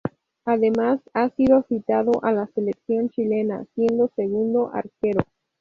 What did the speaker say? Además, ha sido citado a la selección Chilena siendo segundo arquero.